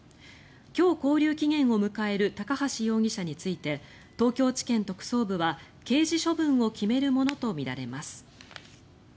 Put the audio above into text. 今日、勾留期限を迎える高橋容疑者について東京地検特捜部は刑事処分を決めるものとみられます。